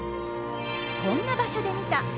「こんな場所で見た」